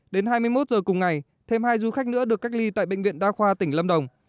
đến hai mươi một giờ cùng ngày thêm hai du khách nữa được cách ly tại bệnh viện đa khoa tỉnh lâm đồng